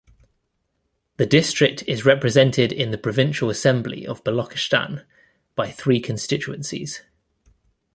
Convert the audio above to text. The district is represented in the Provincial Assembly of Balochistan by three constituencies.